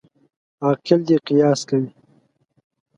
عاقل دي قیاس کوي.